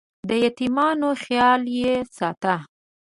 د یتیمانو خیال یې ساته.